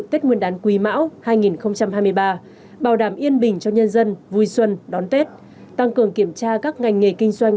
tết nguyên đán quý mão hai nghìn hai mươi ba bảo đảm yên bình cho nhân dân vui xuân đón tết tăng cường kiểm tra các ngành nghề kinh doanh